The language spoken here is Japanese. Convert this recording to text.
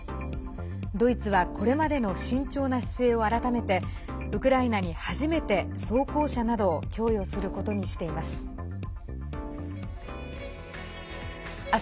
ドイツはこれまでの慎重な姿勢を改めてウクライナに初めて装甲車などを供与することにしています。